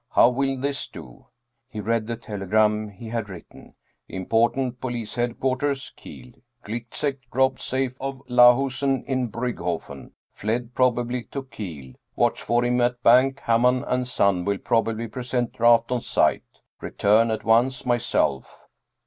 How will this do? " He read the telegram he had written :" Important, Police Headquarters, Kiel. Gliczek robbed safe of Lahusen in Briigghofen. Fled probably to Kiel. Watch for him at bank Hamann & Son, will probably present draft on sight. Return at once myself.